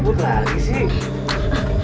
eh ikut lagi sih